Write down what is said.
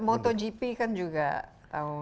motogp kan juga tahun